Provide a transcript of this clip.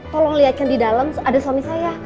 tolong lihatkan di dalam ada suami saya